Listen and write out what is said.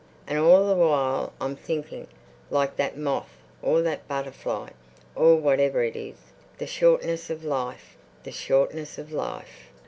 And all the while I'm thinking, like that moth, or that butterfly, or whatever it is, 'The shortness of life! The shortness of life!